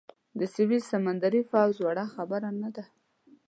د سویس سمندري پوځ وړه خبره نه ده.